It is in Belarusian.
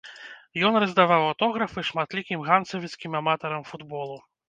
Ён раздаваў аўтографы шматлікім ганцавіцкім аматарам футболу.